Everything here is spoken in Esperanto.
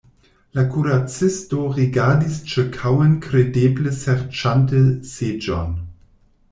La kuracisto rigardis ĉirkaŭen, kredeble serĉante seĝon.